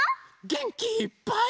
げんきいっぱい。